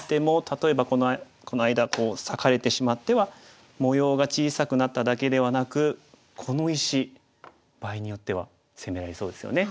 例えばこの間こう裂かれてしまっては模様が小さくなっただけではなくこの石場合によっては攻められそうですよね。